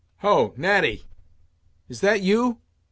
"Ho! Natty, is that you?"